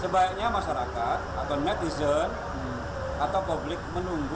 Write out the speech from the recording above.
sebaiknya masyarakat atau netizen atau publik menunggu